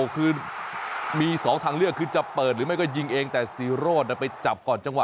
คือมี๒ทางเลือกคือจะเปิดหรือไม่ก็ยิงเองแต่ซีโรธไปจับก่อนจังหว